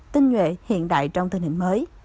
tinh nhuệ hiện đại trong tình hình mới